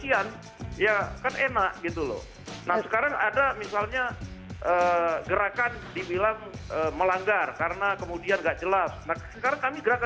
saya ini ngomong di seluruh bangsa indonesia denger di tv